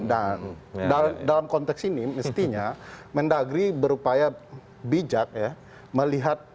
dan dalam konteks ini mestinya mendagri berupaya bijak ya